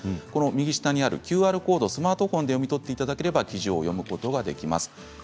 右左にあるＱＲコードをスマートフォンで読み取っていただければその記事を読むことができます。